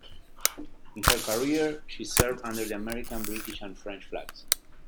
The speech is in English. In her career she served under the American, British and French flags.